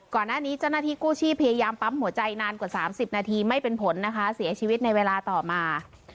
ก่อนหน้านี้เจ้าหน้าที่กู้ชีพพยายามปั๊มหัวใจนานกว่า๓๐นาทีไม่เป็นผลนะคะเสียชีวิตในเวลาต่อมา